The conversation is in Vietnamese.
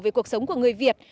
về cuộc sống của người việt